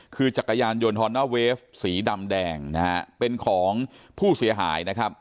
คือจักรยานยนทรสีดำแดงนะฮะเป็นของผู้เสียหายนะครับ